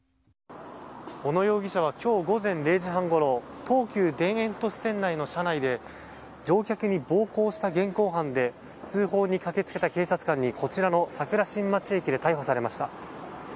小野容疑者は今日午前０時半ごろ東急田園都市線の車内で乗客に暴行した現行犯で通報に駆け付けた警察官にこちらの桜新町駅で逮捕されました。